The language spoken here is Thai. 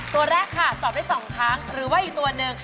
ตัวแรกค่ะตอบได้๒ครั้งหรือว่าอีกตัวหนึ่ง